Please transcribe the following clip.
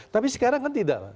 tapi sekarang kan tidak